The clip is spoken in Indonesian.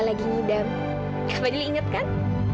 lagi ngidam kak fadil inget kan